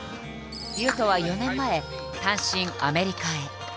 雄斗は４年前単身アメリカへ。